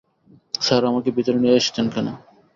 Sir আমাকে ভিতরে নিয়ে এসেছেন কেন?